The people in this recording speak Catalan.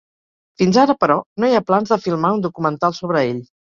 Fins ara, però, no hi ha plans de filmar un documental sobre ell.